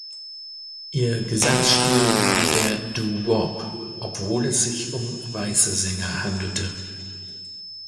Ihr Gesangsstil war der Doo Wop, obwohl es sich um weiße Sänger handelte.